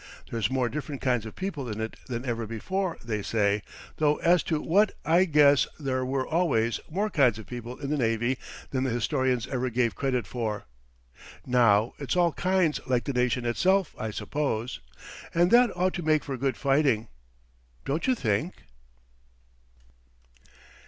There's more different kinds of people in it than ever before, they say though as to that I guess there were always more kinds of people in the navy than the historians ever gave credit for. Now it's all kinds like the nation itself, I suppose. And that ought to make for good fighting, don't you think?"